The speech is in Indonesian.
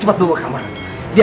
hafidz api depan mardian